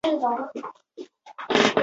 隆普尼厄人口变化图示